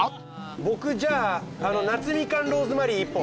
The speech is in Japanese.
僕じゃあ夏みかんローズマリー１本。